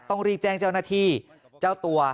ต้องรีบแจ้งเจ้าหน้าที่เจ้าตัว